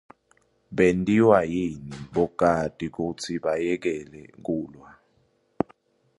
Bentiwa yini bokati kutsi bayekele kulwa?